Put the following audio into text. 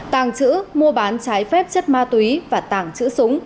tang chữ mua bán trái phép chất ma túy và tang chữ súng